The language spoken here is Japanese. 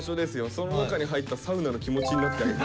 その中に入った「サウナ」の気持ちになってあげて。